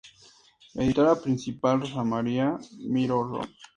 Editora Principal: Rosa Maria Miró Roig.